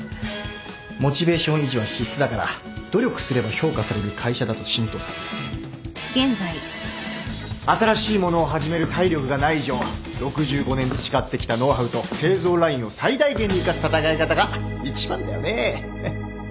モチベーション維持は必須だから努力すれば評価される会社だと浸透させる新しいものを始める体力がない以上６５年培ってきたノウハウと製造ラインを最大限に生かす戦い方が一番だよね。